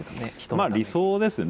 まあ理想ですよね。